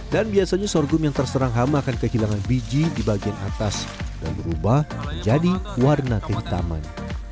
dan biasanya sorghum yang terserang hama akan kehilangan biji di bagian atas dan berubah menjadi warna kehitaman